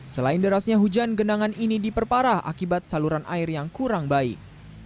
selain derasnya hujan genangan ini diperparah akibat saluran air yang kurang baik